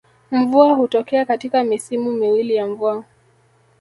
Mvua hutokea katika misimu miwili ya mvua